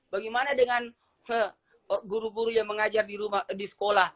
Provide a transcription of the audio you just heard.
bagaimana dengan guru guru yang mengajar di sekolah